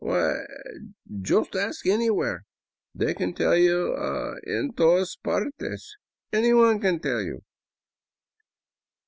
Why — er — just ask anywhere. They can tell you en to' as partes —: anyone can tell you."